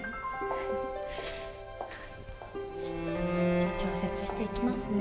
じゃ調節していきますね。